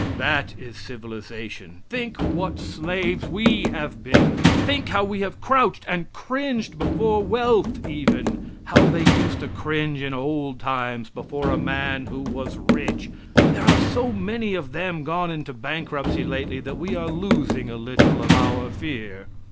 That is civilization. Think what slaves we have been! Think how we have crouched and cringed before wealth even! How they used to cringe in old times before a man who was rich there are so many of them gone into bankruptcy lately that we are losing a little of our fear.